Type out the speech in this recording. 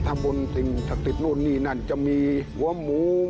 ถ้าบนสิ่งศักดิ์สิทธิ์นู่นนี่นั่นจะมีหัวหมู